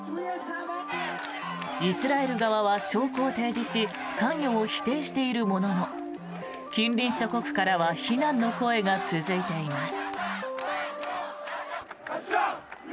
イスラエル側は証拠を提示し関与を否定しているものの近隣諸国からは非難の声が続いています。